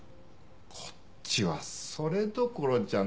こっちはそれどころじゃな。